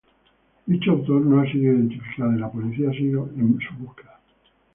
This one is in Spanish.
Dicho autor no ha sido identificado y la policía sigue en busca de este.